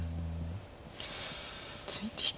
突いて引く。